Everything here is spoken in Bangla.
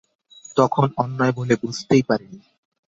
তখন অন্যায় বলে বুঝতেই পারি নি।